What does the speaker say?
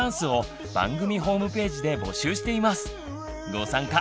ご参加